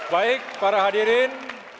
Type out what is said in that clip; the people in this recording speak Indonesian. baik para hadirin